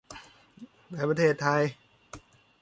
ในประเทศไทย